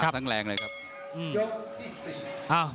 ทั้งหนักทั้งแรงเลยครับ